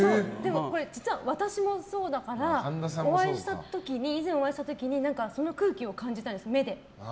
これ、実は私もそうだから以前、お会いした時にその空気を目で感じたんです。